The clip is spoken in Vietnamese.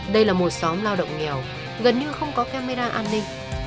đây là một xóm lao động nghèo gần như không có camera an ninh